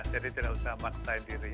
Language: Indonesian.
jadi tidak usah mati sendiri